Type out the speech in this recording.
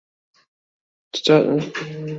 Часам злуецца, што на яго забываюцца.